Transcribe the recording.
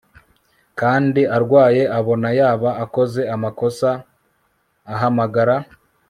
kandi arwaye abona yaba akoze amakosa ahamagara